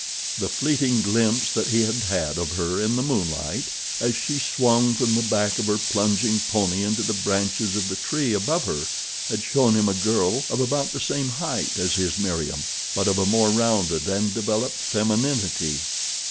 The fleeting glimpse that he had had of her in the moonlight as she swung from the back of her plunging pony into the branches of the tree above her had shown him a girl of about the same height as his Meriem; but of a more rounded and developed femininity.